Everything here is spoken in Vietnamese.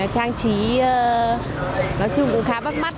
trang trí nói chung cũng khá bắt mắt